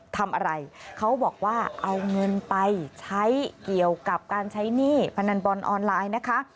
ทำอะไรเขาบอกว่าเอาเงินไปใช้เกี่ยวกับการใช้หนี้พนันบอลออนไลน์นะคะ